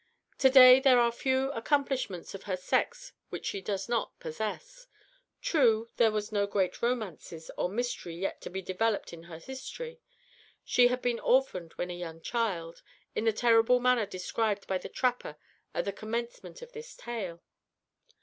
To day there are few accomplishments of her sex which she does not possess. True there was no great romances or mystery yet to be developed in her history. She had been orphaned when a young child, in the terrible manner described by the trapper at the commencement of this tale.